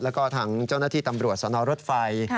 แล้วก็ทางเจ้าหน้าที่ตำรวจสนรถไฟ